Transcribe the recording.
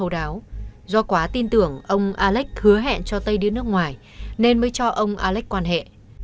do quá tin tưởng ông alex hứa hẹn cho tây đi nước ngoài nên mới cho ông alex quan hệ